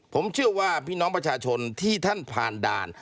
ผมเชื่อว่าพี่น้องประชาชนที่ท่านผ่านด่าน